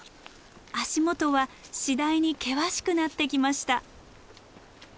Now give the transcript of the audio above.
足元は次第に険しくなってきました。